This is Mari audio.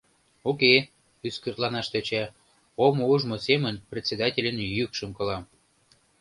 Уке, ӱскыртланаш тӧча, — омо ужмо семын председательын йӱкшым колам.